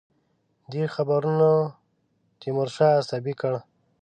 دې خبرونو تیمورشاه عصبي کړ.